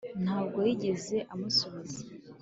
ntabwo yigeze amusura